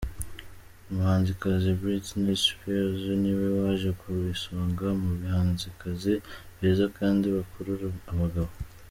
Umuhanzikazi Britney Spears niwe waje ku isonga mu bahanzikazi beza kandi bakurura abagabo.